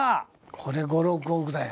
これ５６億だよ。